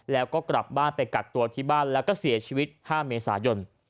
แล้วก็กลับบ้านไปกักตัวที่บ้านแล้วก็เสียชีวิต๕เมษายน